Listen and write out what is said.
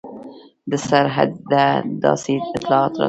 د سرحده داسې اطلاعات راتلل.